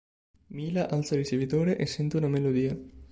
Mila alza il ricevitore e sente una melodia.